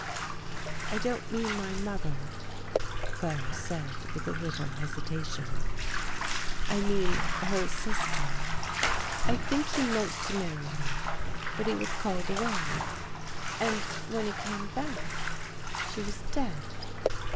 " I don't mean my mother," Claire said with a little hesitation, " I mean her sister. I think he meant to marry her, but he was called away and when he came back she was dead.